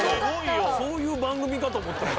そういう番組かと思った。